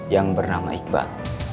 yang bernama iqbal